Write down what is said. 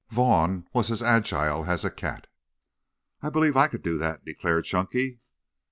Vaughn was as agile as a cat. "I believe I could do that," declared Chunky.